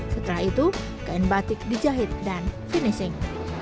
setelah itu kain batik dijahit dan finishing